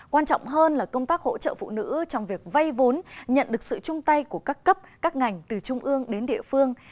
quan trọng hơn là công tác hỗ trợ phụ nữ trong việc vay vốn nhận được sự chung tay của các cấp các ngành từ trung ương đến địa phương